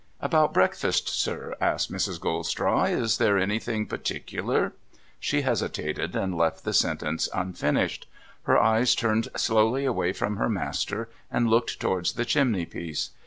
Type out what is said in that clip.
' About breakfast, sir ?' asked Mrs. Goldstraw. ' Is there any thing particular ?' She hesitated, and left the sentence unfinished. Her eyes turned slowly away from her master, and looked towards the chimney piece.